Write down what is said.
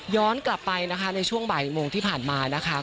กลับไปนะคะในช่วงบ่ายโมงที่ผ่านมานะคะ